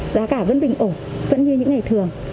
giá cả vẫn bình ổn vẫn như những ngày thường